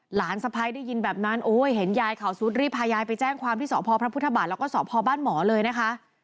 สะพ้ายได้ยินแบบนั้นโอ้ยเห็นยายเขาสุดรีบพายายไปแจ้งความที่สพพระพุทธบาทแล้วก็สพบ้านหมอเลยนะคะ